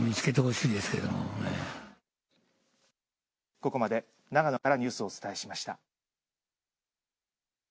ここまで長野からニュースをお伝えしました。